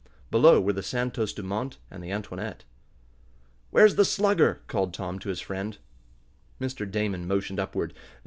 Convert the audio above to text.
Below were the Santos Dumont and the Antoinette. "Where's the Slugger?" called Tom to his friend. Mr. Damon motioned upward.